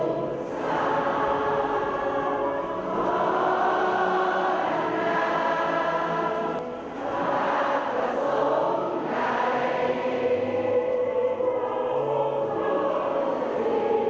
คนที่รักครับใช่ไหมภูมิกับใครสุขสามารถงานหาผสมใด